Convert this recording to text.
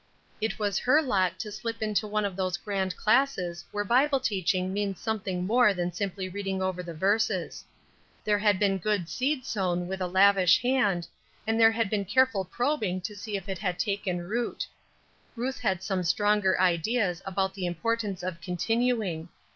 It was her lot to slip into one of those grand classes where Bible teaching means something more than simply reading over the verses. There had been good seed sown with a lavish hand, and there had been careful probing to see if it had taken root. Ruth had some stronger ideas about the importance of "continuing."